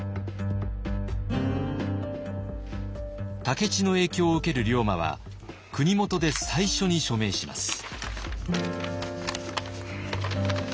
武市の影響を受ける龍馬は国元で最初に署名します。